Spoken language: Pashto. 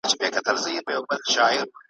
د ظالم عمر به لنډ وي په خپل تېغ به حلالیږي ,